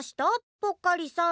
ぽっかりさん。